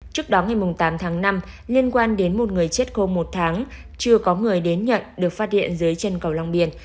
trước đó ngày tám tháng năm liên quan đến một người chết cô một tháng chưa có người đến nhận được phát hiện dưới chân cầu long biên